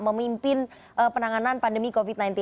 memimpin penanganan pandemi covid sembilan belas